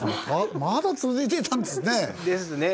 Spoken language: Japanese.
まだ続いていたんですね。ですね。